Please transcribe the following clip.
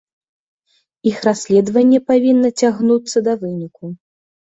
Іх расследаванне павінна цягнуцца да выніку.